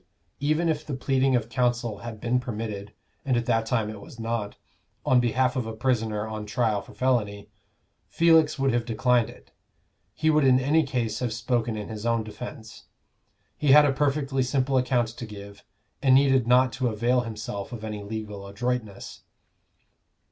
Even if the pleading of counsel had been permitted (and at that time it was not) on behalf of a prisoner on trial for felony, Felix would have declined it: he would in any case have spoken in his own defence. He had a perfectly simple account to give, and needed not to avail himself of any legal adroitness.